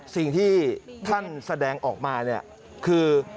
สิ่งที่ท่านแสดงออกมาเนี่ยคือ